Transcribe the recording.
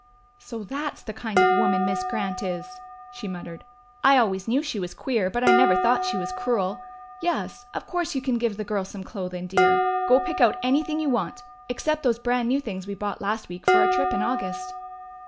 "So that's the kind of woman Miss Grant is!" she muttered. "I always knew she was queer, but I never thought she was cruel.... Yes, of course you can give the girl some clothing, dear. Go pick out anything you want, except those brand new things we bought last week for our trip in August."